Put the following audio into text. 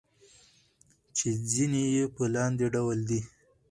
چې ځينې يې په لاندې ډول دي: